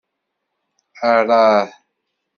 Arah